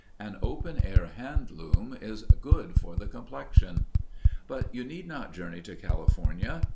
An open air hand loom is good for the complexion. But you need not journey to California.